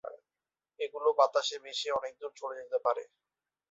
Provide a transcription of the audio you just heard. এগুলো বাতাসে ভেসে অনেক দূর চলে যেতে পারে।